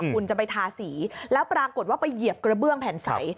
คุณจะไปทาสีแล้วปรากฏว่าไปเหยียบกระเบื้องแผ่นใส